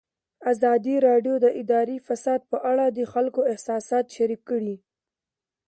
ازادي راډیو د اداري فساد په اړه د خلکو احساسات شریک کړي.